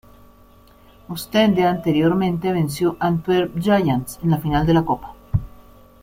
Oostende anteriormente venció Antwerp Giants en la final de la Copa.